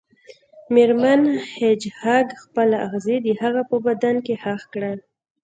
میرمن هیج هاګ خپل اغزي د هغه په بدن کې ښخ کړل